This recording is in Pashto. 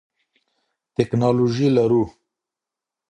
ټکنالوژي لرو.